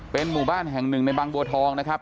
เป็นหมู่บ้านแห่งหนึ่งในบางบัวทองนะครับ